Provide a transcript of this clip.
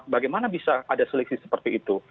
bagaimana bisa ada seleksi seperti itu